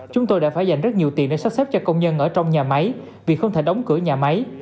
chúng tôi đã phải dành rất nhiều tiền để sắp xếp cho công nhân ở trong nhà máy vì không thể đóng cửa nhà máy